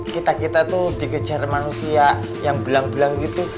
kita kita tuh dikejar manusia yang belang belang gitu